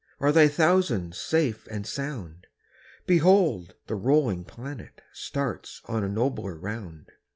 Are thy thousands safe and sound? Behold! the rolling planet Starts on a nobler round.